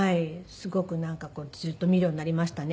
すごくなんかこうずっと見るようになりましたね。